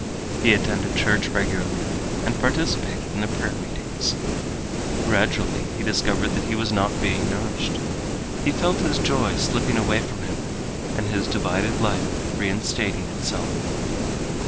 He attended church regularly and participated in the prayer meetings. Gradually he discovered that he was not being nourished. He felt his joy slipping away from him and his divided life reinstating itself.